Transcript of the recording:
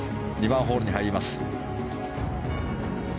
２番ホールに入ります。